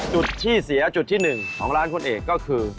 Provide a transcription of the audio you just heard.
จุดที่เสียจุดที่๑ของร้านคุณเอกก็คือ